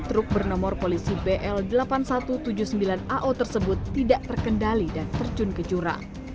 truk bernomor polisi bl delapan ribu satu ratus tujuh puluh sembilan ao tersebut tidak terkendali dan terjun ke jurang